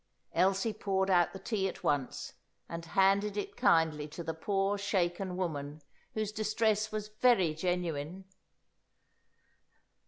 Elsie poured out the tea at once, and handed it kindly to the poor shaken woman, whose distress was very genuine.